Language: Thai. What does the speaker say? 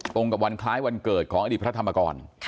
ตรงกับวันคล้ายวันเกิดของอดีตพระธรรมกร